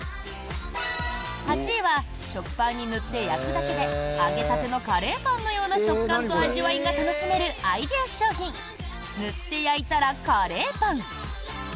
８位は食パンに塗って焼くだけで揚げたてのカレーパンのような食感と味わいが楽しめるアイデア商品ぬって焼いたらカレーパン。